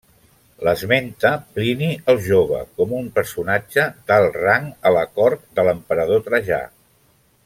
L'esmenta Plini el Jove com un personatge d'alt rang a la cort de l'emperador Trajà.